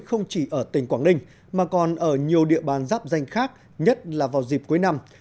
không chỉ ở tỉnh quảng ninh mà còn ở nhiều địa bàn giáp danh khác nhất là vào dịp cuối năm